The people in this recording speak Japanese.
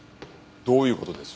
どういう事です？